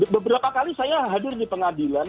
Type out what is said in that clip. beberapa kali saya hadir di pengadilan